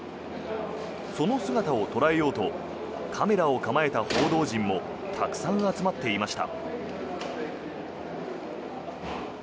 その姿を捉えようとカメラを構えた報道陣もたくさん集まっていました。